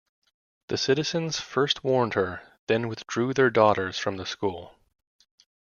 The citizens first warned her, then withdrew their daughters from the school.